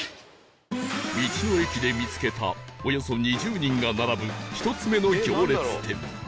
道の駅で見つけたおよそ２０人が並ぶ１つ目の行列店